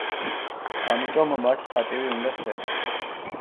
ამიტომ მას პატივი უნდა სცენ.